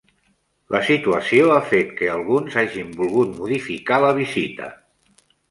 La situació ha fet que alguns hagin volgut modificar la visita.